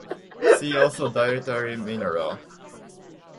See also Dietary mineral.